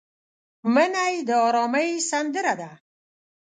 منی د ارامۍ سندره ده